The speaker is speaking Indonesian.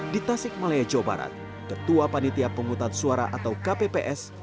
di tasik malaya jawa barat ketua panitia penghutang suara atau kpps